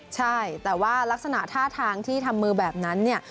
ใช่แต่ว่ารักษณะท่าทางที่ทำมือแบบนั้นเนี่ย